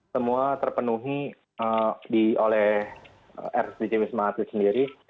semua terpenuhi oleh rsdc wisma atlet sendiri